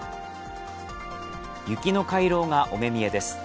雪の回廊がお目見えです。